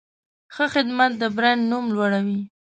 ښه خدمت د برانډ نوم لوړوي.